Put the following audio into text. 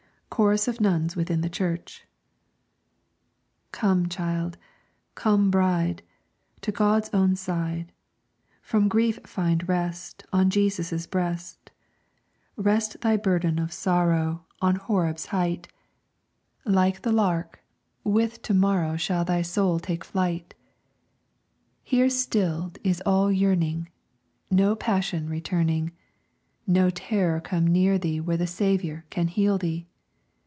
CHORUS OF NUNS WITHIN THE CHURCH Come child, come bride, To God's own side. From grief find rest On Jesus' breast. Rest thy burden of sorrow On Horeb's height; Like the lark, with to morrow Shall thy soul take flight. Here stilled is all yearning, No passion returning, No terror come near thee Where the Saviour can hear thee!